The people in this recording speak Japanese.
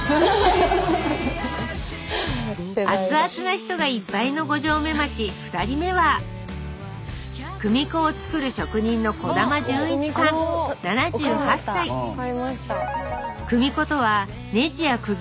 熱々な人がいっぱいの五城目町２人目は組子を作る職人の技術のこと例えば障子のこの部分。